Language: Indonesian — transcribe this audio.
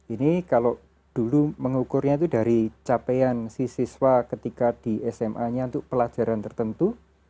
ini kalau dulu mengukurnya itu dari capaian si siswa ketika di sma nya untuk pelajaran tertentu